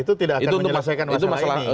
itu tidak akan menyelesaikan masalah ini